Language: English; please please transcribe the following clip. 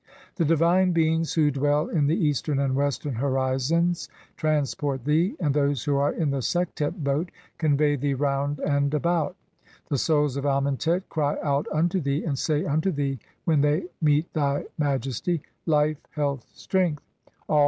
The divine beings who dwell "in the eastern and western horizons transport thee, and those "who are in the Sektet boat convey thee round and about. The "Souls of Amentet cry out unto thee and say unto thee when "they meet thy majesty (Life, Health, Strength!)